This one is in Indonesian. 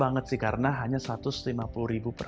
kalau boleh disukai langsung lagi diberi